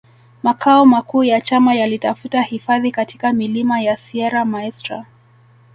Makao makuu ya chama yalitafuta hifadhi katika milima ya Sierra Maestra